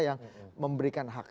yang memberikan hak